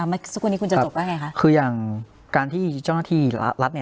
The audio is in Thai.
เมื่อสักครู่นี้คุณจะจบว่าไงคะคืออย่างการที่เจ้าหน้าที่รัฐเนี่ย